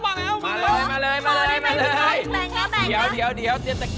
ใส่พยีนเดียวเอง